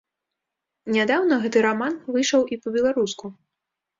Нядаўна гэты раман выйшаў і па-беларуску.